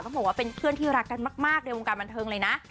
บอกว่าเป็นเพื่อนที่รักกันมากในวงการบันเทิงเลยนะ